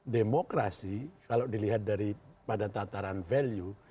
demokrasi kalau dilihat dari pada tataran value